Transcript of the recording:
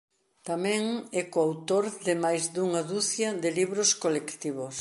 Tamén é coautor de máis dunha ducia de libros colectivos.